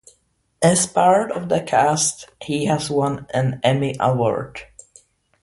As part of the cast, he has won an Emmy Award.